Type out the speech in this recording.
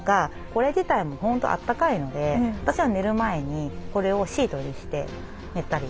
これ自体も本当あったかいので私は寝る前にこれをシートにして寝たり。